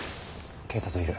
警察いる。